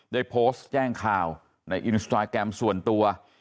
ได้โพสต์แจ้งข่าวในอินสตราแกรมส่วนตัว